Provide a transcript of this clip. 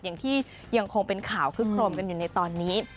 ยังคงเป็นข่าวคึกโครมกันอยู่ในตอนนี้